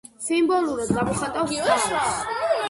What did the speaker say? სიმბოლურად გამოხატავს წყალს.